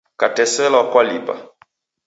Kateselwa kwalipa.